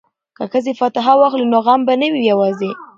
که ښځې فاتحه واخلي نو غم به نه وي یوازې.